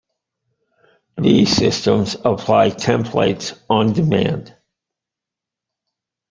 These systems apply templates on-demand.